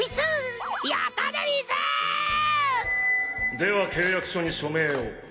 では契約書に署名を。